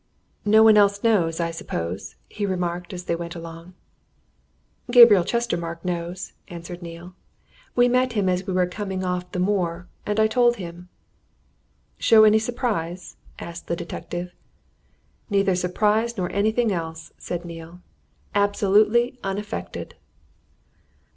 "No one else knows, I suppose?" he remarked, as they went along. "Gabriel Chestermarke knows," answered Neale. "We met him as we were coming off the moor and I told him." "Show any surprise?" asked the detective. "Neither surprise nor anything else," said Neale. "Absolutely unaffected!"